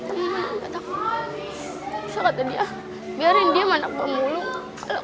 saya kata dia biarin dia sama anak pemulung